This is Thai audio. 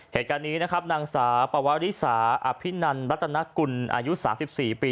เหตุการณ์นี้นะครับนางสาวปวริสาอภินันรัตนกุลอายุ๓๔ปี